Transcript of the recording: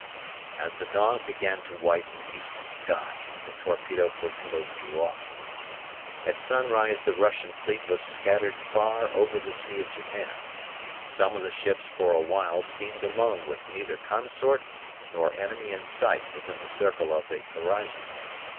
As the dawn began to whiten the eastern sky the torpedo flotillas drew off. At sunrise the Russian fleet was scattered far over the Sea of Japan. Some of the ships for a while steamed alone with neither consort nor enemy in sight within the circle of the horizon.